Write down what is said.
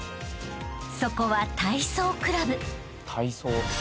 ［そこは体操クラブ］